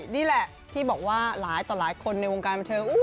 นี่แหละที่บอกว่าหลายต่อหลายคนในวงการบันเทิง